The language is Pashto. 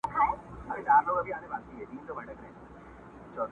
چي قاضي وي چي دا گيند او دا ميدان وي!.